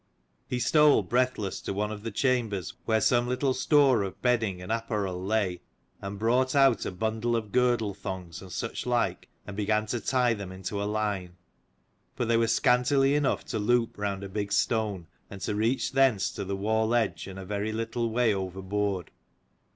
He stole breathless to one of the chambers where some little store of bedding and apparel lay, and brought out a bundle of girdlethongs and such like, and began to tie them into a line. But they were scantly enough to loop round a big stone, and to reach thence to the wall edge and a very little way overboard.